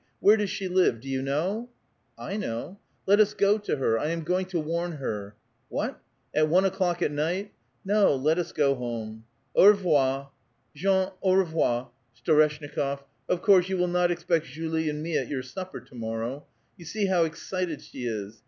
Where does she live? Do vou know?" "'l know." '* Let us go to her. I am going to warn her." " What ! at one o'clock at night? No, let us go home. — Au revoir! Jean. — Aurevoir! Storeshnikof. — Of course, you will not expect Julie and me at your supper, to morrow. You see how excited she is.